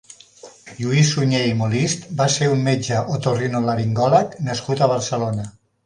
Lluís Suñé i Molist va ser un metge otorinolaringòleg nascut a Barcelona.